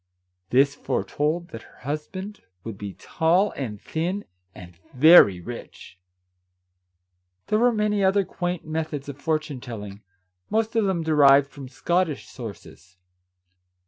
This fore told that her husband would be tall and thin, and very rich ! There were many other quaint methods of fortune telling, most of them derived from Scottish sources.